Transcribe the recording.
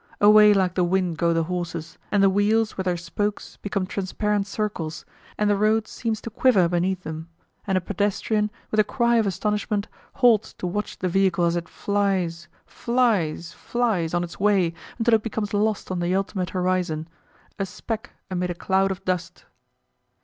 Away like the wind go the horses, and the wheels, with their spokes, become transparent circles, and the road seems to quiver beneath them, and a pedestrian, with a cry of astonishment, halts to watch the vehicle as it flies, flies, flies on its way until it becomes lost on the ultimate horizon a speck amid a cloud of dust!